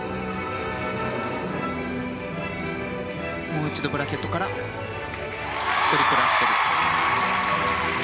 もう一度、ブラケットからトリプルアクセル。